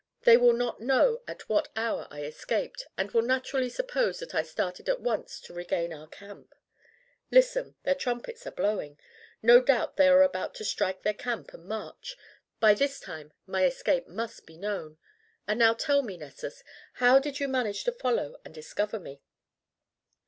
"They will not know at what hour I escaped, and will naturally suppose that I started at once to regain our camp. Listen, their trumpets are blowing. No doubt they are about to strike their camp and march; by this time my escape must be known. And now tell me, Nessus, how did you manage to follow and discover me?"